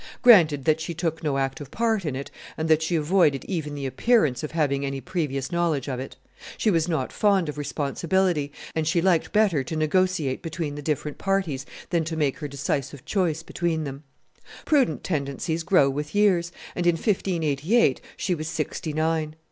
Granted that she took no active part in it, and that she avoided even the appearance of having any previous knowledge of it; she was not fond of responsibility, and she liked better to negotiate between the different parties than to make her decisive choice between them; prudent tendencies grow with years, and in 1588 she was sixty nine.